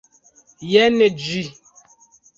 Jen ĝi.